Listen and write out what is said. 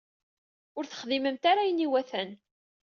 Ur texdimemt ara ayen iwatan.